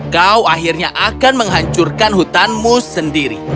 kau akhirnya akan menghancurkan hutanmu sendiri